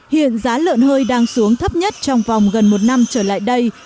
hiện giá lợn hơi đang xuống thấp nhất trong vòng gần một năm trở lại đây